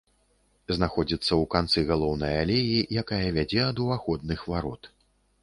Знаходзіцца ў канцы галоўнай алеі, якая вядзе ад уваходных варот.